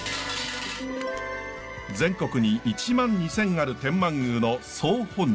全国に１万２，０００ある天満宮の総本社。